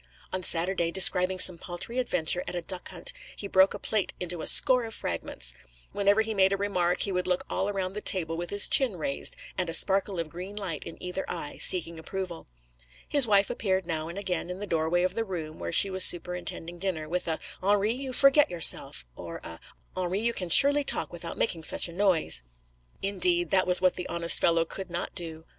On Saturday, describing some paltry adventure at a duck hunt, he broke a plate into a score of fragments. Whenever he made a remark, he would look all round the table with his chin raised, and a spark of green light in either eye, seeking approval. His wife appeared now and again in the doorway of the room, where she was superintending dinner, with a 'Henri, you forget yourself,' or a 'Henri, you can surely talk without making such a noise.' Indeed, that was what the honest fellow could not do.